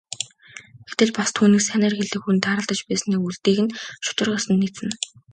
Гэтэл бас түүнийг сайнаар хэлэх хүн тааралдаж байсныг үлдээх нь шударга ёсонд нийцнэ.